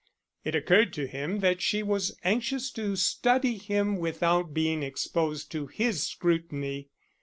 It occurred to him that she was anxious to study him without being exposed to his scrutiny.